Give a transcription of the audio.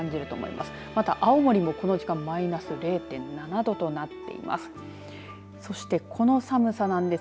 また、青森も、この時間マイナス０．７度となっています。